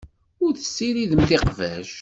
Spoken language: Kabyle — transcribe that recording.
Ur tessiridemt iqbac.